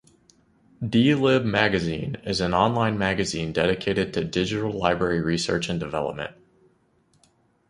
D-Lib Magazine is an on-line magazine dedicated to digital library research and development.